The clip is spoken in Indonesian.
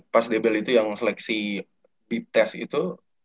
pas di abel itu yang seleksi bip test itu